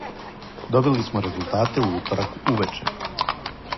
Добили смо резултате у уторак увече.